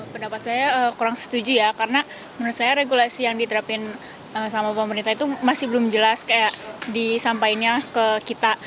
pendapat saya kurang setuju ya karena menurut saya regulasi yang diterapkan sama pemerintah itu masih belum jelas kayak disampaikannya ke kita